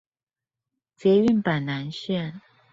捷運板南線